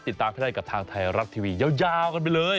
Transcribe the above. ติดตามให้ได้กับทางไทยรัฐทีวียาวกันไปเลย